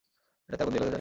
এটাতে আগুন জ্বালানো যায়?